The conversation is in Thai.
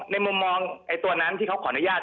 มุมมองตัวนั้นที่เขาขออนุญาต